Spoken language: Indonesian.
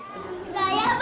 saya orang kecil